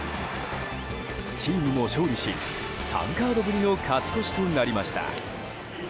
チームも勝利し、３カードぶりの勝ち越しとなりました。